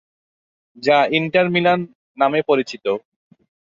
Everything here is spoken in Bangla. যা ইন্টার মিলান নামে পরিচিত।